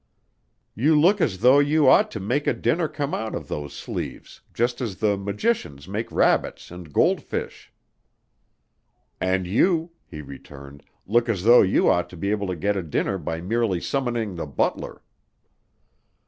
"You look as though you ought to make a dinner come out of those sleeves, just as the magicians make rabbits and gold fish." "And you," he returned, "look as though you ought to be able to get a dinner by merely summoning the butler."